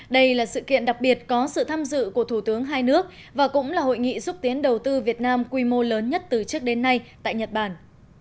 đây là sự kiện đặc biệt có sự tham dự của thủ tướng hai nước và cũng là hội nghị xúc tiến đầu tư việt nam quy mô lớn nhất từ trước đến nay tại nhật bản